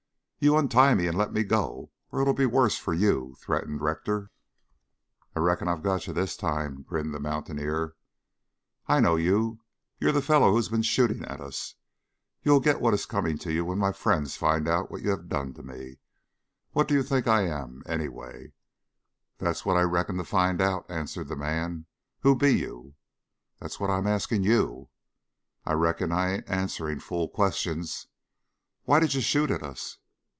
"You untie me and let me go, or it'll be the worse for you," threatened Rector. "I reckon I've got you this time," grinned the mountaineer. "I know you. You're the fellow who has been shooting at us. You will get what is coming to you when my friends find out what you have done to me. What do you think I am anyway?" "That's what I reckoned to find out," answered the man. "Who be you?" "That's what I am asking you." "I reckon I ain't answering fool questions." "Why did you shoot at us?"